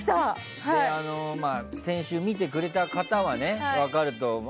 先週、見てくれた方は分かると思いますけど。